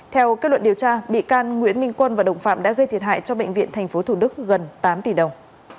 theo kết luận điều tra bị can nguyễn minh quân và đồng phạm đã gây thiệt hại cho bệnh viện tp thủ đức gần tám tỷ đồng